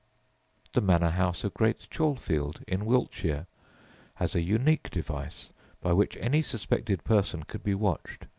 The manor house of Great Chalfield, in Wiltshire, has a unique device by which any suspected person could be watched.